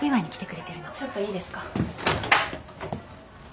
ちょっといいですか？